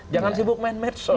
jangan sibuk main medsos